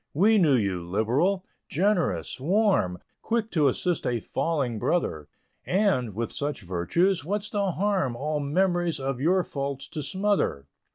We knew you liberal, generous, warm, Quick to assist a falling brother, And, with such virtues, what's the harm All memories of your faults to smother?